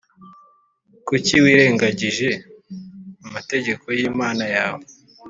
kucyi wirengagije amategeko y’Imana yawe,